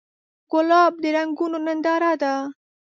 ګلاب د رنګونو ننداره ده.